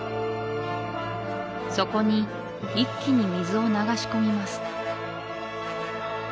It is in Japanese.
そこに一気に水を流し込みます